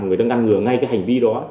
người ta ngăn ngừa ngay cái hành vi đó